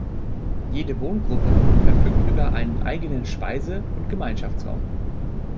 Jede Wohngruppe verfügt über einen eigenen Speise- und Gemeinschaftsraum.